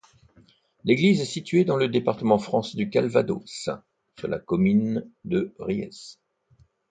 L'église est située dans le département français du Calvados, sur la commune de Ryes.